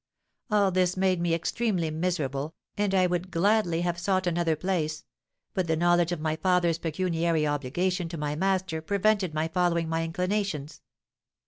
All this made me extremely miserable, and I would gladly have sought another place; but the knowledge of my father's pecuniary obligation to my master prevented my following my inclinations.